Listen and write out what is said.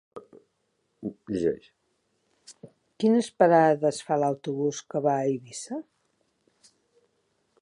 Quines parades fa l'autobús que va a Eivissa?